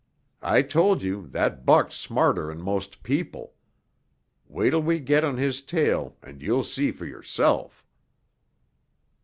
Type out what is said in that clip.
I told you that buck's smarter'n most people. Wait'll we get on his tail and you'll see for yourself."